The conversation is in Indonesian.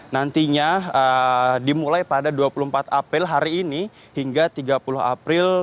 nantinya dimulai pada dua puluh empat april hari ini hingga tiga puluh april dua ribu dua puluh